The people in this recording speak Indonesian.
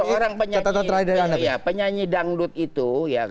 orang penyanyi dangdut itu